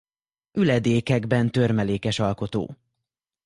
Üledékekben törmelékes alkotó.